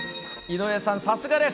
井上さん、さすがです。